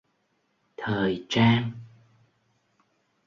Thời trang